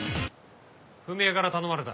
史江から頼まれた。